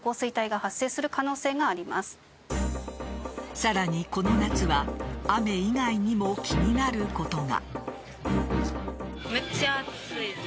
さらに、この夏は雨以外にも気になることが。